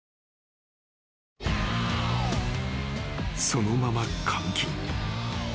［そのまま監禁］